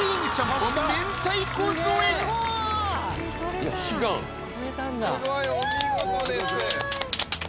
スゴいお見事です！